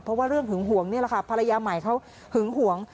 เพราะว่าเรื่องหึงห่วงนี่แหละค่ะภรรยาใหม่เขาหึงหวง